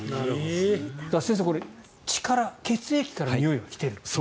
先生、血から、血液からにおいが来ていると。